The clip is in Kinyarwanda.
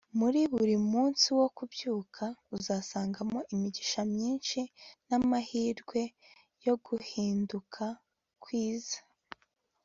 muri buri munsi wo kubyuka, uzasangamo imigisha myinshi n'amahirwe yo guhinduka kwiza